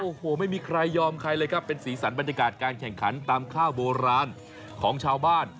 โอ้โหไม่มีใครยอมใครเลยครับเป็นสีสันบรรยากาศการแข่งขันตามข้าวโบราณของชาวบ้าน